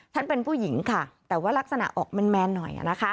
เป็นผู้หญิงค่ะแต่ว่ารักษณะออกแมนหน่อยนะคะ